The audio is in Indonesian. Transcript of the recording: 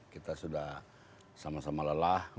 kita sudah sama sama lelah